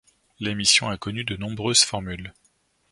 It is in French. L'émission a connu de nombreuses formules.